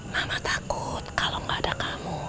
nama takut kalau nggak ada kamu